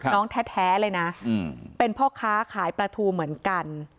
แท้เลยนะเป็นพ่อค้าขายปลาทูเหมือนกัน